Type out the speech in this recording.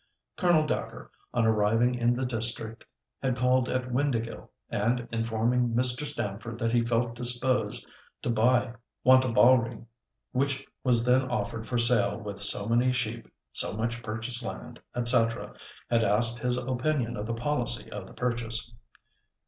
Colonel Dacre, on arriving in the district, had called at Windāhgil, and informing Mr. Stamford that he felt disposed to buy Wantabalree, which was then offered for sale with so many sheep, so much purchased land, &c., had asked his opinion of the policy of the purchase.